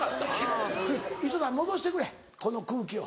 井戸田戻してくれこの空気を。